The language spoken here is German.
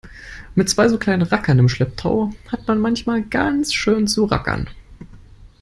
Mit zwei so kleinen Rackern im Schlepptau hat man manchmal ganz schön zu rackern.